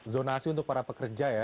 zonasi untuk para pekerja ya